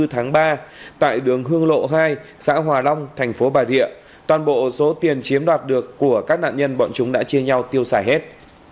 hai mươi tháng ba tại đường hương lộ hai xã hòa long thành phố bà rịa toàn bộ số tiền chiếm đoạt được của các nạn nhân bọn chúng đã chia nhau tiêu xài hết